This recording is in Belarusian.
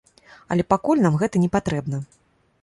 Але пакуль нам гэта непатрэбна.